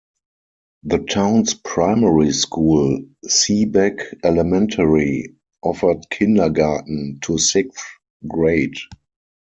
The town's primary school, Seabeck Elementary, offered kindergarten to sixth grade.